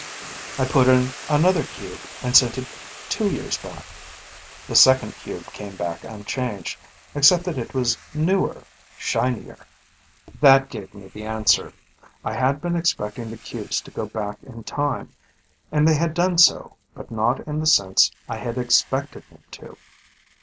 "I put in another cube and sent it two years back. The second cube came back unchanged, except that it was newer, shinier. "That gave me the answer. I had been expecting the cubes to go back in time, and they had done so, but not in the sense I had expected them to.